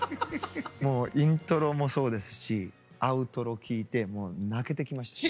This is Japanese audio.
もうイントロもそうですしアウトロ聴いてもう泣けてきました。